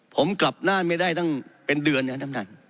ผมกลับหน้าไม่ได้ตั้งเป็นเดือนเนี่ยน้ำดัน